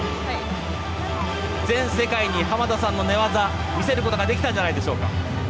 全世界に濱田選手の寝技見せることができたんじゃないでしょうか。